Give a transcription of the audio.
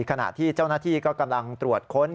ขณะที่เจ้าหน้าที่ก็กำลังตรวจค้น